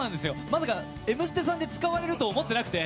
まさか「Ｍステ」さんで使われると思ってなくて。